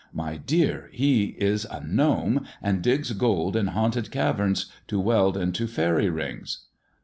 My dear, he is a gnome, and digs gold in haunted caverns to weld into faery rings."